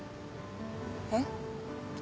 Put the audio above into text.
えっ？